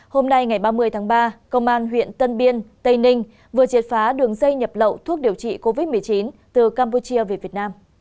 hôm nay ngày ba mươi tháng ba công an huyện tân biên tây ninh vừa triệt phá đường dây nhập lậu thuốc điều trị covid một mươi chín từ campuchia về việt nam